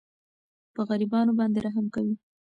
په غریبانو باندې رحم کوئ.